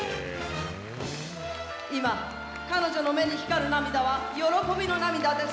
今彼女の目に光る涙は喜びの涙です。